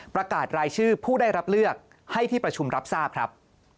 ประกาศรายชื่อผู้ได้รับเลือกให้ที่ประชุมรับทราบครับ